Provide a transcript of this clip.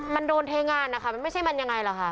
มันโดนเทงานนะคะมันไม่ใช่มันยังไงหรอกค่ะ